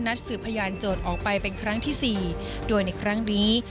สืบพยานโจทย์ออกไปเป็นครั้งที่สี่โดยในครั้งนี้